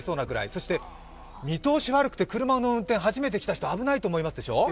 そして見通し悪くて車の運転初めて来たとき危ないと思いますでしょう？